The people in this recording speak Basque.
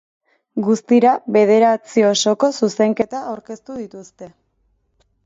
Guztira bederatzi osoko zuzenketa aurkeztu dituzte.